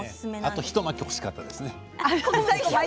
あと一巻きほしかったですね。